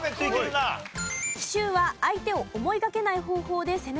奇襲は相手を思いがけない方法で攻める事。